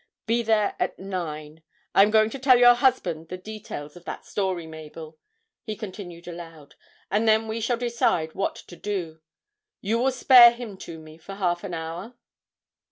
Be there at nine. I am going to tell your husband the details of that story, Mabel,' he continued aloud, 'and then we shall decide what to do. You will spare him to me for half an hour?'